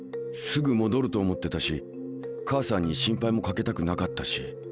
すぐ戻ると思ってたし母さんに心配もかけたくなかったし。